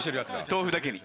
豆腐だけに。